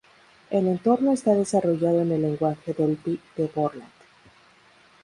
El Entorno está desarrollado en el lenguaje Delphi de Borland.